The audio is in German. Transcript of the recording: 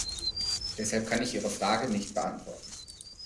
Deshalb kann ich Ihre Frage nicht beantworten.